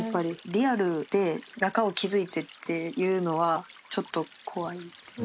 リアルで仲を築いてっていうのはちょっと怖い。